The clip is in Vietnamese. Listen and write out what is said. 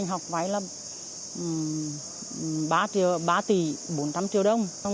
học vai là ba tỷ bốn năm triệu đồng